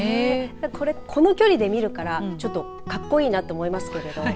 これ、この距離で見るからちょっとかっこいいなと思いますけど。